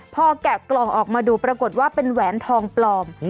พอแกะกล่องออกมาดูปรากฏว่าเป็นแหวนทองปลอม